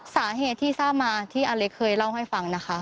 สาเหตุที่ทราบมาที่อเล็กเคยเล่าให้ฟังนะคะ